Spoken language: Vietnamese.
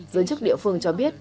giới chức địa phương cho biết